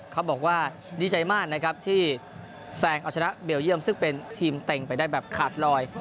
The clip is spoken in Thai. เขาบอกว่าดีใจมากนะครับที่แซงเอาชนะเบลเยี่ยมซึ่งเป็นทีมเต็งไปได้แบบขาดลอย